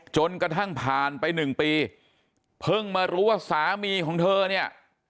จนกระทั่งผ่านไป๑ปีเพิ่งมารู้ว่าสามีของเธอเนี่ย